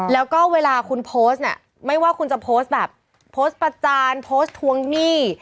แล้วก็เวลาคุณโพสต์เนี่ยไม่ว่าคุณจะโพสต์แบบโพสต์ประจานโพสต์ทวงหนี้